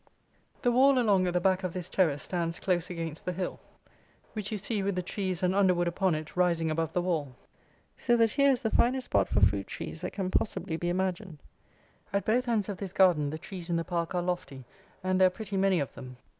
The wall, along at the back of this terrace, stands close against the hill, which you see with the trees and underwood upon it rising above the wall. So that here is the finest spot for fruit trees that can possibly be imagined. At both ends of this garden the trees in the park are lofty, and there are a pretty many of them.